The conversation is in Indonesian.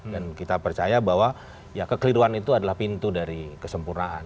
dan kita percaya bahwa ya kekeliruan itu adalah pintu dari kesempurnaan